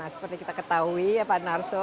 seperti kita ketahui ya pak narso